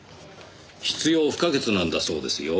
必要不可欠なんだそうですよ。